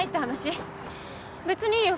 別にいいよ